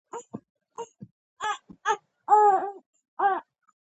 فرانسس ورته وویل چې زه پوهانو ته اړتیا نه لرم.